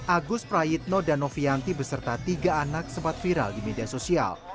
agus prayitno dan novianti beserta tiga anak sempat viral di media sosial